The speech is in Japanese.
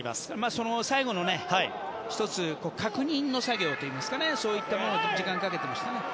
その最後の１つ確認の作業といいますかそういったものに時間をかけていましたね。